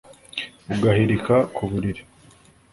Ugahilika ku bulili